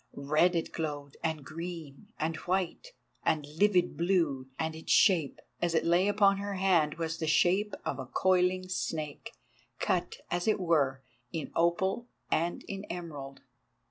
Red it glowed and green, and white, and livid blue, and its shape, as it lay upon her hand, was the shape of a coiling snake, cut, as it were, in opal and in emerald.